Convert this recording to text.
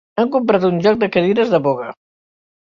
Hem comprat un joc de cadires de boga.